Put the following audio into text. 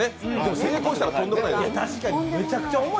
成功したらとんでもない。